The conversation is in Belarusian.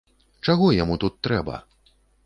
Чаго яму тут трэба?